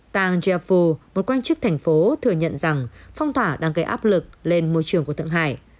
tàng japo một quan chức thành phố thừa nhận rằng phong tỏa đang gây áp lực lên môi trường của thượng hải